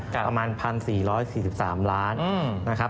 ประมาณ๑๔๔๓ล้านนะครับ